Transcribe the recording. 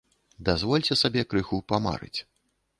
Дазвольце сабе крыху памарыць.